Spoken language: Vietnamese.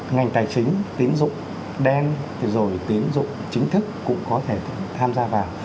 ngành tài chính tín dụng đen rồi tín dụng chính thức cũng có thể tham gia vào